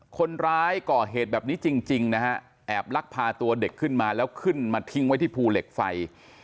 คนร้ายก่อเหตุแบบนี้จริงนะฮะแอบลักพาตัวเด็กขึ้นมาแล้วขึ้นมาทิ้งไว้ที่ภูเหล็กไฟ